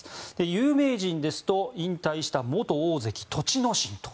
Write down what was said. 有名人ですと引退した元大関・栃ノ心。